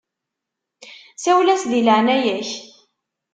Sawel-as di leɛnaya-k.